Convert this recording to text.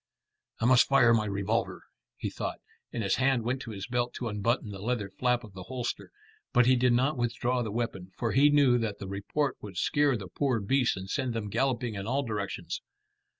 "I must fire my revolver," he thought, and his hand went to his belt to unbutton the leather flap of the holster; but he did not withdraw the weapon, for he knew that the report would scare the poor beasts and send them galloping in all directions.